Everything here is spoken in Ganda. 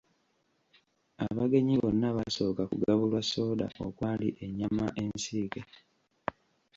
Abagenyi bonna baasooka kugabulwa sooda okwali ennyama ensiike.